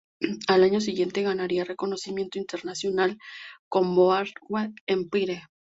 Al año siguiente ganaría reconocimiento internacional con "Boardwalk Empire".